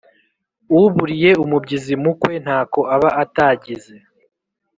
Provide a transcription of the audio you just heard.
Uburiye umubyizi mu kwe ntako aba atagize.